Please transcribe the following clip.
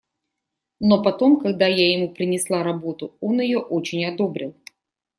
Но потом, когда я ему принесла работу, он ее очень одобрил.